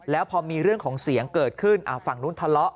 แล้วพอมีเรื่องของเสียงเกิดขึ้นฝั่งนู้นทะเลาะ